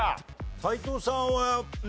斎藤さんはね